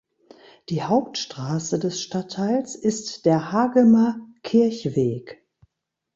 Die Hauptstraße des Stadtteils ist der Hagemer Kirchweg.